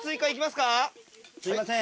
すいません。